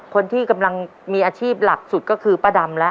คนที่กำลังมีอาชีพหลักสุดก็คือป้าดำแล้ว